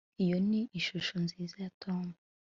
iyo ni ishusho nziza ya tom